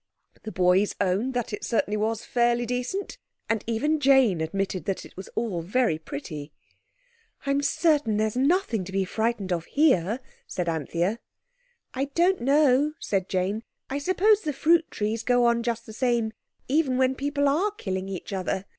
The boys owned that it certainly was fairly decent, and even Jane admitted that it was all very pretty. "I'm certain there's nothing to be frightened of here," said Anthea. "I don't know," said Jane. "I suppose the fruit trees go on just the same even when people are killing each other.